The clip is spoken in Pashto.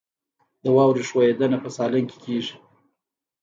د واورې ښویدنه په سالنګ کې کیږي